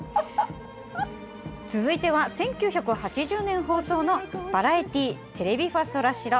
続いては１９８０年放送の「ばらえていテレビファソラシド」。